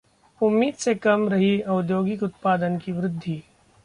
उम्मीद से कम रही औद्योगिक उत्पादन की वृद्धि